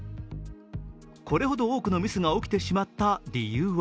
これほど多くのミスが起きてしまった理由は